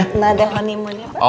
nggak ada honeymoon ya pa